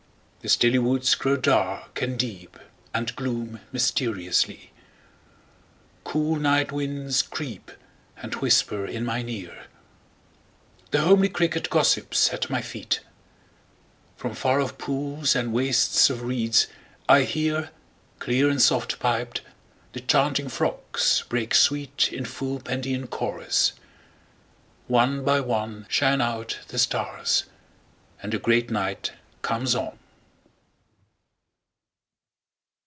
The stilly woods8Grow dark and deep, and gloom mysteriously.9Cool night winds creep, and whisper in mine ear.10The homely cricket gossips at my feet.11From far off pools and wastes of reeds I hear,12Clear and soft piped, the chanting frogs break sweet13In full Pandean chorus. One by one14Shine out the stars, and the great night comes on.